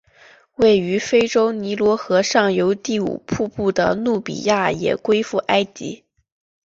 位于非洲尼罗河上游第五瀑布的努比亚也归附埃及。